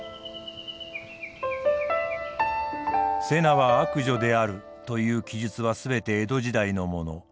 「瀬名は悪女である」という記述は全て江戸時代のもの。